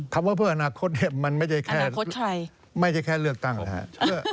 คำว่าเพื่ออนาคตมันไม่ใช่แค่ไม่ใช่แค่เลือกตั้งนะครับ